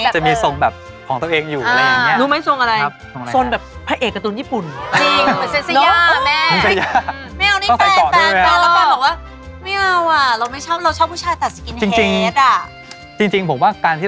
จะมีทรงแบบของตัวเองอยู่อะไรอย่างนี้